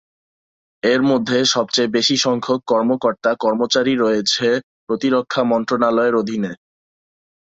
এর মধ্যে সবচেয়ে বেশি সংখ্যক কর্মকর্তা-কর্মচারী রয়েছে প্রতিরক্ষা মন্ত্রণালয়ের অধীনে।